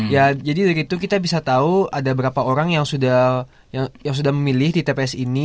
ya jadi dari itu kita bisa tahu ada berapa orang yang sudah memilih di tps ini